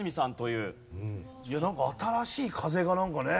いやなんか新しい風がなんかね。